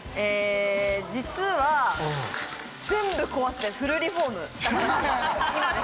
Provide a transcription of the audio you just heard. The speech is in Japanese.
実は全部壊してフルリフォームした。